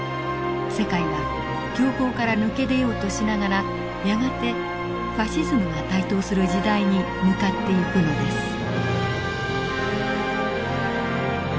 世界は恐慌から抜け出ようとしながらやがてファシズムが台頭する時代に向かっていくのです。